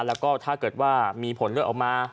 แล้วก็ถ้าเกิดว่ามีผลเลือดออกมา